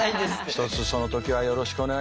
ひとつその時はよろしくお願いいたします。